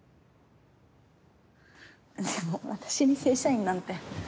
でも私に正社員なんて。